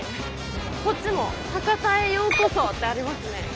こっちも「博多へようこそ！」ってありますね。